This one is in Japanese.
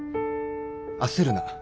焦るな。